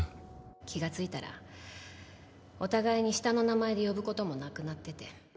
気がついたらお互いに下の名前で呼ぶ事もなくなってて。